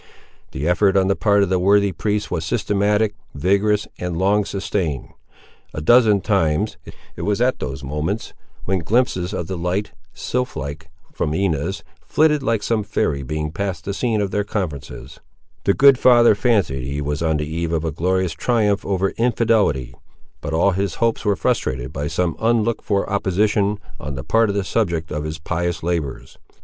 The effort on the part of the worthy priest was systematic, vigorous, and long sustained. A dozen times (it was at those moments when glimpses of the light, sylphlike form of Inez flitted like some fairy being past the scene of their conferences) the good father fancied he was on the eve of a glorious triumph over infidelity; but all his hopes were frustrated by some unlooked for opposition, on the part of the subject of his pious labours.